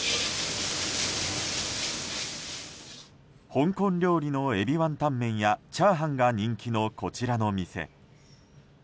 香港料理のエビワンタンメンやチャーハンが人気のこちらの店。